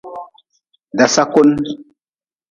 Dasakun.